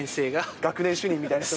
学年主任みたいな人が。